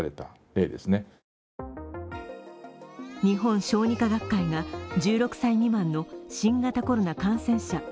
日本小児科学会が１６歳未満の新型コロナ感染者